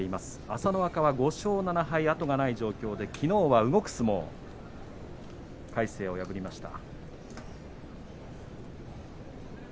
朝乃若は５勝７敗、後がない状況できのうは動く相撲魁聖を破りました。